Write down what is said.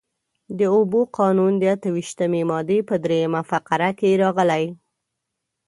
د اوبو قانون د اته ویشتمې مادې په درېیمه فقره کې راغلي.